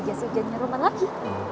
jasujennya roman lagi